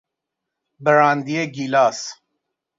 براندی گیلاس